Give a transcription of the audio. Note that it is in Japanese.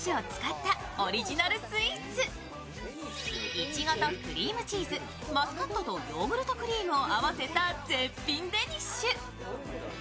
いちごとクリームチーズ、マスカットとヨーグルトクリームを合わせた絶品デニッシュ。